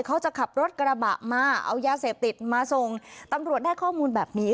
ขับรถกระบะมาเอายาเสพติดมาส่งตำรวจได้ข้อมูลแบบนี้